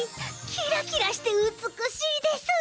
キラキラしてうつくしいです！